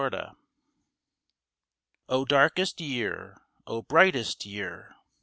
i865 O DARKEST Year ! O brightest Year !